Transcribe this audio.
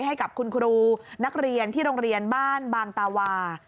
ให้กับคุณครูนักเรียนที่โรงเรียนบ้านบางตาวา